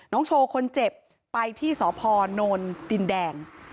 โชว์คนเจ็บไปที่สพนดินแดง